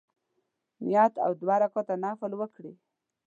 نیت او دوه رکعته نفل وکړي.